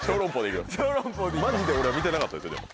マジで俺は見てなかったですよ。